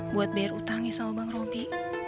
buat bayar utangnya sama bang robi